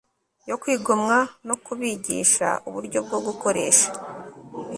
yo kwigomwa no kubigisha uburyo bwo gukoresha